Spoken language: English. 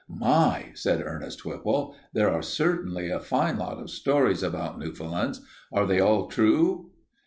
"My!" said Ernest Whipple, "there are certainly a fine lot of stories about Newfoundlands. Are they all true?"